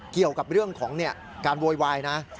เกี่ยวกับเรื่องของการโวยวายนะ